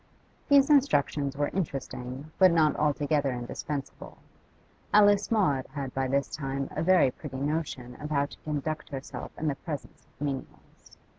These instructions were interesting, but not altogether indispensable; Alice Maud had by this time a very pretty notion of how to conduct herself in the presence of menials.